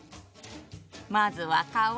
まずは皮。